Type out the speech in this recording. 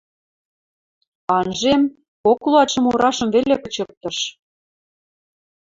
Анжем: кок луатшӹм урашым веле кычыктыш.